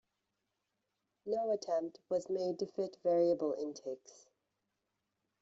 No attempt was made to fit variable intakes.